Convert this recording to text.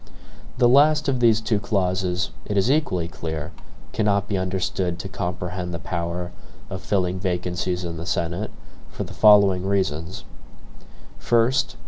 The last of these two clauses, it is equally clear, cannot be understood to comprehend the power of filling vacancies in the Senate, for the following reasons: First.